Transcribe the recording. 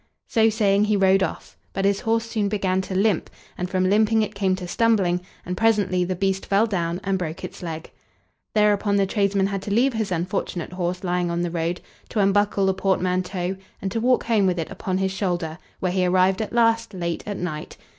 So saying he rode off; but his horse soon began to limp, and from limping it came to stumbling, and presently the beast fell down and broke its leg. Thereupon the tradesman had to leave his unfortunate horse lying on the road, to unbuckle the portmanteau, and to walk home with it upon his shoulder, where he arrived at last late at night.